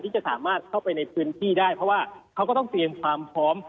จะสามารถเข้าไปในพื้นที่ได้เพราะว่าเขาก็ต้องเตรียมความพร้อม